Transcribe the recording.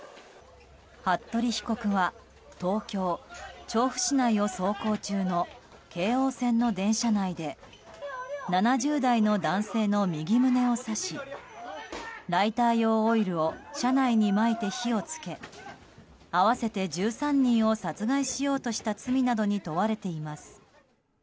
服部被告は東京・調布市内を走行中の京王線の電車内で７０代の男性の右胸を刺しライター用オイルを車内にまいて火を付け合わせて１３人を殺害しようとした罪などに問われています。